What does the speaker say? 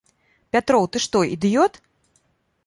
Пятроў, ты што, ідыёт?